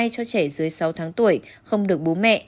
cho trẻ dưới sáu tháng tuổi không được bố mẹ